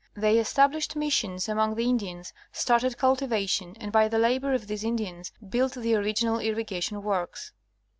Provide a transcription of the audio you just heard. They established missions among the Indians, started cultivation, and by the labor of these Indians built the original irrigation works.